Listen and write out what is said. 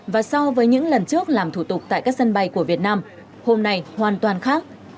và so với những lần trước làm thủ tục tại các sân bay của việt nam hôm nay hoàn toàn khác